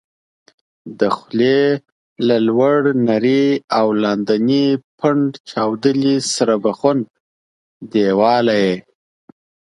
د خولې له لوړ نري او لاندني پنډ چاودلي سره بخن دېواله یې